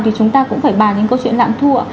thì chúng ta cũng phải bàn những câu chuyện lạm thu ạ